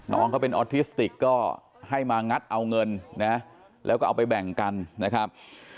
น้องเขาเป็นออทิสติกก็ให้มางัดเอาเงินนะแล้วก็เอาไปแบ่งกันนะครับ